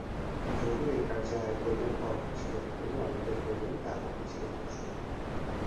যদিও এই কার্যে আয়ের পরিমাণ অল্প ছিল তবুও আনন্দের পরিমাণ তাঁর পক্ষে ছিল প্রচুর।